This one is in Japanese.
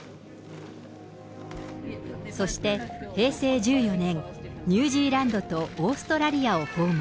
そして、平成１４年、ニュージーランドとオーストラリアを訪問。